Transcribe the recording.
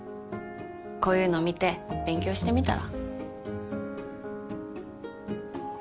こういうの見て勉強してみたら？